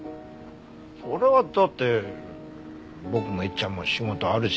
それはだって僕もえっちゃんも仕事あるし。